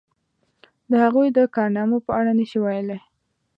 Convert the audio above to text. د هغوی د کارنامو په اړه نشي ویلای.